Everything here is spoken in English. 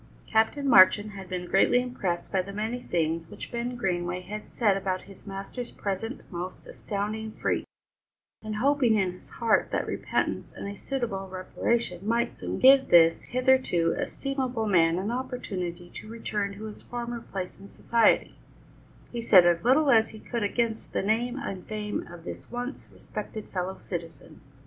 Captain Marchand had been greatly impressed by the many things which Ben Greenway had said about his master's present most astounding freak, and hoping in his heart that repentance and a suitable reparation might soon give this hitherto estimable man an opportunity to return to his former place in society, he said as little as he could against the name and fame of this once respected fellow citizen.